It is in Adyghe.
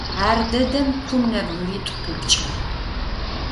Ар дэдэм кум нэбгыритӏу къипкӏыгъ.